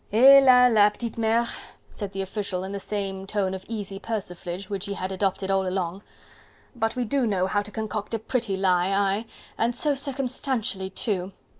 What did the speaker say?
"He! la! la! petite mere!" said the official in the same tone of easy persiflage which he had adopted all along, "but we do know how to concoct a pretty lie, aye! and so circumstantially too!